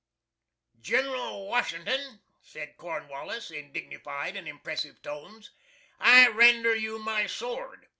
"General Washington," said Cornwallis, in dignified and impressive tones, "I tender you my sword.